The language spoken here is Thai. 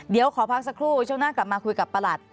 เดี๋ยวขอพักสักครู่ช่วงหน้ากลับมาคุยกับประหลัด